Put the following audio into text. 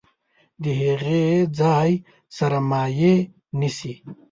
د هغې ځای سړه مایع نیسي.